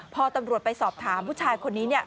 พอตำรวจไปสอบถามผู้ชายคนนี้เนี่ย